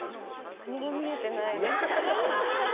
何も見えてないです。